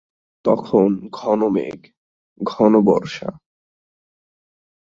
তখন ঘনমেঘ, ঘনবর্ষা।